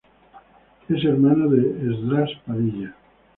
Es hermano de Esdras Padilla.